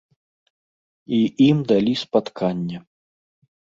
І ім далі спатканне.